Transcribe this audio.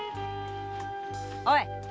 おい！